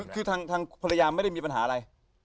คือทางภรรยาไม่ได้มีปัญหาอะไร